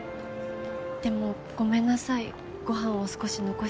でもごめんなさいご飯を少し残しちゃって。